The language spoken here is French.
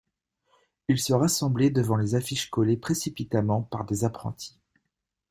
Ils se rassemblaient devant les affiches collées précipitamment par des apprentis.